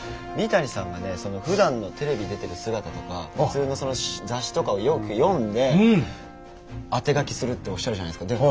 三谷さんがね「ふだんのテレビ出てる姿とか普通の雑誌とかをよく読んで当て書きする」っておっしゃるじゃないですか。